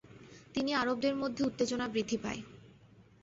তিনি আরবদের মধ্যে উত্তেজনা বৃদ্ধি পায়।